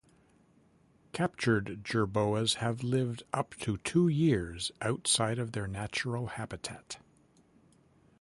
Captured jerboas have lived up to two years outside of their natural habitat.